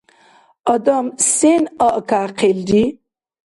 — Адам сен аъкяхъилри?